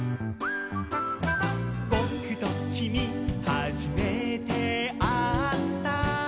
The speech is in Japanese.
「ぼくときみはじめてあった」